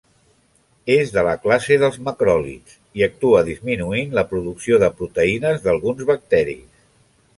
És de la classe dels macròlids i actua disminuint la producció de proteïnes d'alguns bacteris.